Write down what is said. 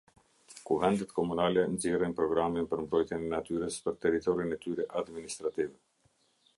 Kuvendet Komunale nxjerrin programin për mbrojtjen e natyrës për territorin e tyre administrativ.